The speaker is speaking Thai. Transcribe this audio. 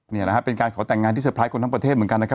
นี่นะครับเป็นการขอแต่งงานที่เตอร์ไพรสคนทั้งประเทศเหมือนกันนะครับ